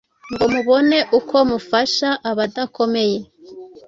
ngo mubone uko mufasha abadakomeye,